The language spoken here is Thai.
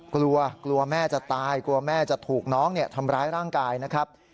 กลัวกลัวแม่จะตายกลัวแม่จะถูกน้องทำร้ายร่างกายนะครับ